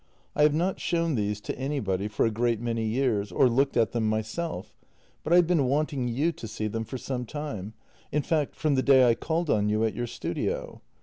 " I have not shown these to anybody for a great many years, or looked at them myself, but I have been wanting you to see them for some time — in fact, from the day I called on you at your studio.